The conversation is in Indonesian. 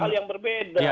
hal yang berbeda